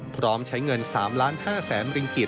พร้อมใช้เงิน๓๕๐๐๐ริงกิจ